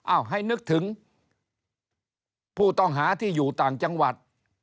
เอาให้นึกถึงผู้ต้องหาที่อยู่ต่างจังหวัด